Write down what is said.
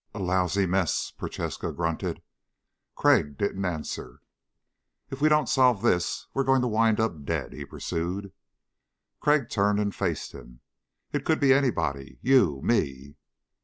"A lousy mess," Prochaska grunted. Crag didn't answer. "If we don't solve this, we're going to wind up dead," he pursued. Crag turned and faced him. "It could be anybody. You ... me."